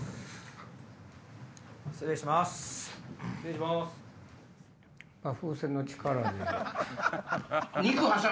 失礼します。なぁ。